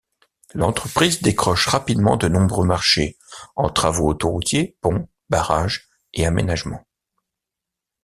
L'entreprise décroche rapidement de nombreux marchés en travaux autoroutiers, ponts, barrages et aménagements.